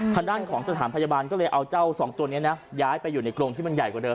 ทางด้านของสถานพยาบาลก็เลยเอาเจ้าสองตัวนี้นะย้ายไปอยู่ในกรงที่มันใหญ่กว่าเดิ